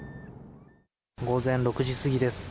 午前６時過ぎです。